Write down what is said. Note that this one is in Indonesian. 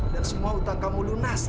dan semua hutang kamu lunas